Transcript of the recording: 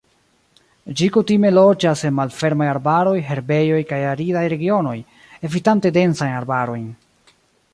Ĝi kutime loĝas en malfermaj arbaroj, herbejoj kaj aridaj regionoj, evitante densajn arbarojn.